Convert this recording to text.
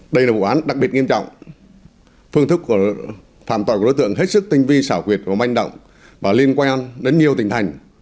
đây là vụ án đặc biệt nghiêm trọng phương thức phạm tội của đối tượng hết sức tinh vi xảo quyệt và manh động và liên quan đến nhiều tỉnh thành